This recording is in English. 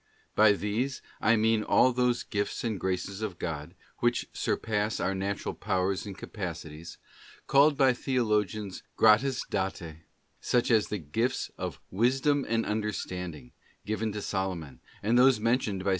By these I mean all those gifts and graces of God, which surpass our natural powers and capacities, called by theologians gratis date—such as the gifts of 'wisdom and understanding '* given to Solomon, and those mentioned by 8S.